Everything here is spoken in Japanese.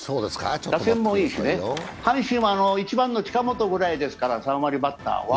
打点もいいしね、阪神は１番の近本ぐらいですから、３割バッターは。